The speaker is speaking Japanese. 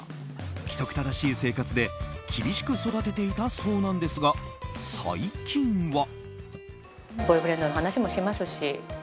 規則正しい生活で厳しく育てていたそうなんですが最近は。